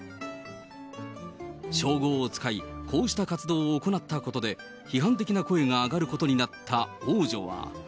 称号を使い、こうした活動を行ったことで批判的な声が上がることになった王女は。